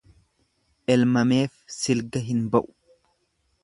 Elmameef silga hin ba'u.